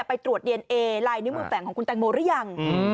ไปตรวจดีเอนเอลายนิ้วมือแฝงของคุณแตงโมหรือยัง